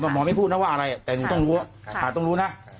หมอไม่พูดนะว่าอะไรแต่ต้องรู้นะ